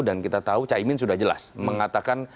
dan kita tahu caimin sudah jelas mengatakan